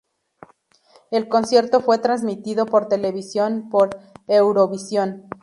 El concierto fue transmitido por televisión por Eurovisión.